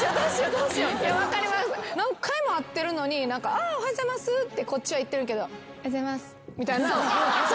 何回も会ってるのに「あっおはようございます」ってこっちは言ってるけど「おはようございます」みたいな。